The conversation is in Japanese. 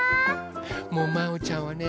もうまおちゃんはね